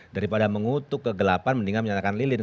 daripada mengutuk kegelapan mendingan menyatakan lilin